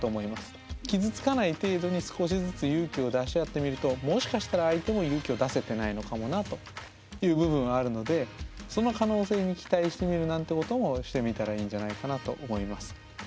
傷つかない程度に少しずつ勇気を出し合ってみるともしかしたら相手も勇気を出せてないのかもなという部分はあるのでその可能性に期待してみるなんてこともしてみたらいいんじゃないかなと思います。